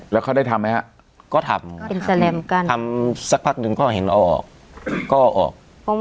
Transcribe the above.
แล้วเขาได้ทำไหมครับก็ทำทำสักพักนึงก็เห็นรอออก